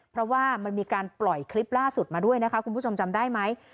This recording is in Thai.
เพราะว่ามันมีการปล่อยคลิปล่าสุดมาด้วยนะคะคุณผู้ชมจำได้ไหม